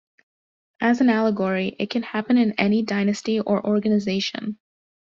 As an allegory, it can happen in "any dynasty or organisation".